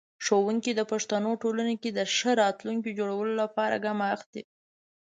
ښوونکی د پښتنو ټولنې کې د ښه راتلونکي جوړولو لپاره ګام اخلي.